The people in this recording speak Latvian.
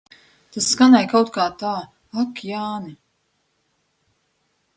Tas skanēja kaut kā tā, Ak, Jāni.